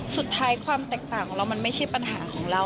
ความแตกต่างของเรามันไม่ใช่ปัญหาของเรา